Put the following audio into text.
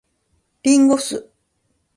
林檎酢